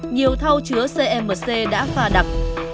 nhiều thau chứa cmc đã pha đặc